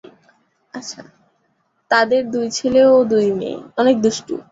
তাদের দুই ছেলে ও দুই মেয়ে।